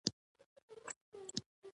دوی ټول چوکره ګان دي.